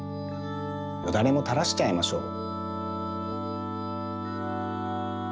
よだれもたらしちゃいましょう。